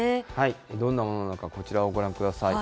どんなものなのか、こちらをご覧ください。